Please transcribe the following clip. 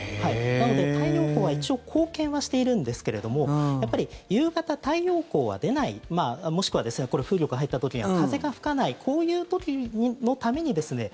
なので、太陽光は一応、貢献はしてるんですけどもやっぱり夕方、太陽光は出ないもしくは、風力が入った時には風が吹かないこういう時のためにですね